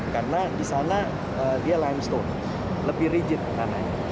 karena di sana dia limestone lebih rigid tanahnya